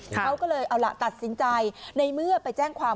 เขาก็เลยเอาล่ะตัดสินใจในเมื่อไปแจ้งความ